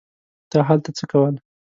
تا هلته څه کول.